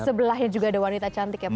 sebelahnya juga ada wanita cantik ya pak